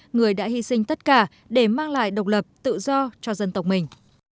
người đã hy sinh tất cả để mang lại độc lập tự do cho dân tộc mình